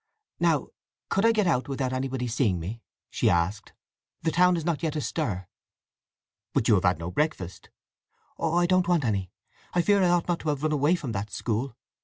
"Now could I get out without anybody seeing me?" she asked. "The town is not yet astir." "But you have had no breakfast." "Oh, I don't want any! I fear I ought not to have run away from that school!